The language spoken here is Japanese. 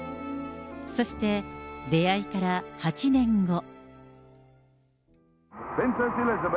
そして、出会いから８年後。